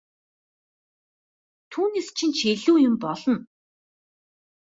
Түүнээс чинь ч илүү юм болно!